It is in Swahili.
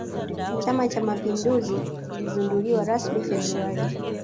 chama cha mapinduzi kilizinduliwa rasmi februari